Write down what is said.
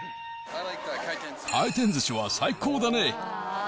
回転ずしは最高だね。